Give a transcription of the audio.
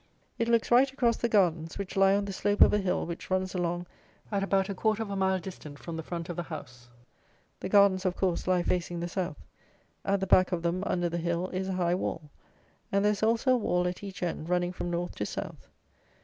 It looks right across the gardens, which lie on the slope of a hill which runs along at about a quarter of a mile distant from the front of the house. The gardens, of course, lie facing the south. At the back of them, under the hill, is a high wall; and there is also a wall at each end, running from north to south.